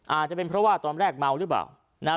อาจจะเป็นเพราะว่าตอนแรกเมาหรือเปล่านะครับ